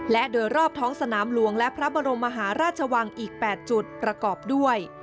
และโดยรอบท้องสนามหลวงและพระบรมมหาราชวังอีก๘จุดประกอบด้วย